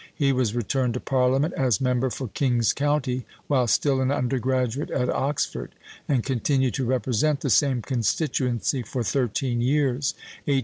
He was returned to Parliament as member for King's County while still an undergraduate at Oxford, and continued to represent the same constituency for thirteen years (1821 34).